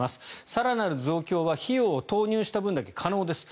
更なる増強は費用を投入した分だけ可能です。